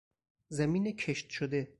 زمین کشت شده